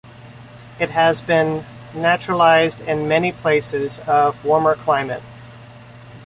It has been naturalized in many places of warmer climate.